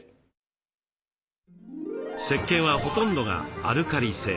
せっけんはほとんどがアルカリ性。